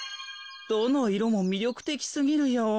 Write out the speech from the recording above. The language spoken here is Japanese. どのいろもみりょくてきすぎるよ。